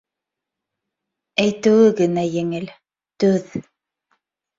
Әйтеүе генә еңел — түҙ.